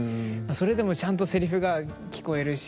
それでもちゃんとセリフが聞こえるし。